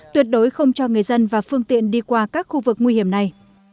tuyệt đối không cho người dân và phương tiện đi qua các khu vực nguy hiểm này